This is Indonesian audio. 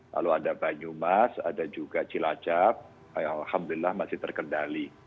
lalu ada banyumas ada juga cilacap alhamdulillah masih terkendali